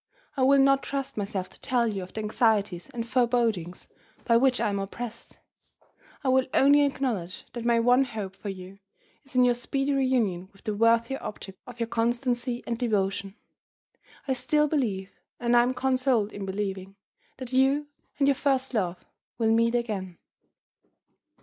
I will not trust myself to tell you of the anxieties and forebodings by which I am oppressed: I will only acknowledge that my one hope for you is in your speedy reunion with the worthier object of your constancy and devotion. I still believe, and I am consoled in believing, that you and your first love will meet again.